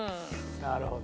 なるほど。